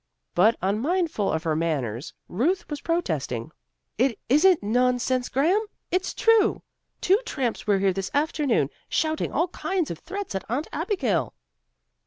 But unmindful of her manners, Ruth was protesting. "It isn't nonsense, Graham. It's true. Two tramps were here this afternoon, shouting all kinds of threats at Aunt Abigail."